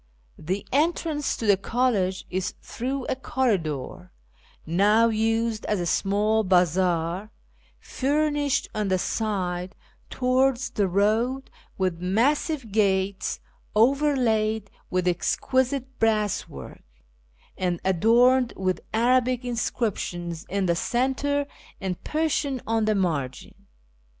The entrance to the college is through a corridor, now used as a small bazaar, furnished on the side towards the road with massive gates overlaid with exquisite brasswork, and adorned with Arabic inscriptions in the centre and Persian on the margin.